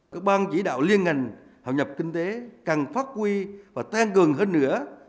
các bang chỉ đạo liên ngành hội nhập kinh tế càng phát huy và tăng cường hơn nữa